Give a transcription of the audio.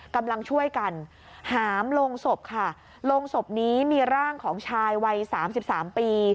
กำลังช่วยกันหามลงศพค่ะลงศพนี้มีร่างของชายวัย๓๓ปี